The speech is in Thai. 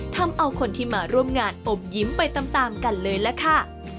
ทำเอาคนที่มาร่วมงานอบยิ้มไปตามกันเลยล่ะค่ะ